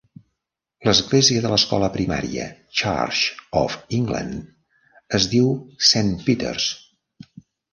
L'església de l'escola primària Church of England es diu St. Peters.